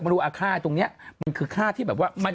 คุณดูการ์ดสองใบนี้